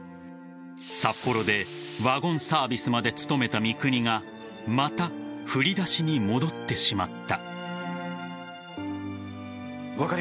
札幌でワゴンサービスまで務めた三國がまた振り出しに戻ってしまった。